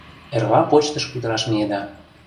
Эрла почтыш кутыраш миеда».